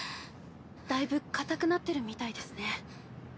だいぶ硬くなってるみたいですね。